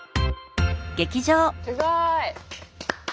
すごい。